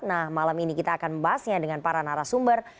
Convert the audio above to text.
nah malam ini kita akan membahasnya dengan para narasumber